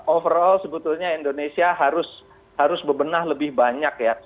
overall sebetulnya indonesia harus bebenah lebih banyak ya